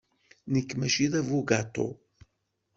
Nekk maci d abugaṭu.